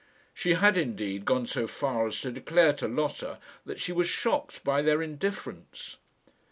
She had, indeed, gone so far as to declare to Lotta that she was shocked by their indifference.